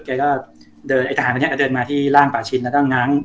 แกก็เดินไอ้ทหารคนนี้ก็เดินมาที่ร่างป่าชินแล้วก็ง้าง